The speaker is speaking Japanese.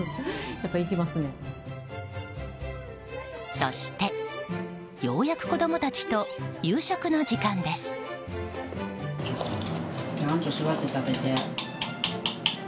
そして、ようやく子供たちと夕食の時間です。